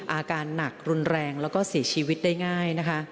อาการหนักรุนแรงแล้วก็เสียชีวิตได้ง่ายนะคะ